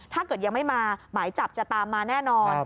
ถ้าเกิดยังไม่มาหมายจับจะตามมาแน่นอน